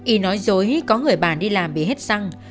ý nói dối có người bà đi làm bị hết xăng